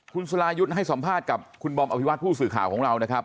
คุณสุรายุทธ์ให้สัมภาษณ์คุณบอมรับทรวจของเรานะครับ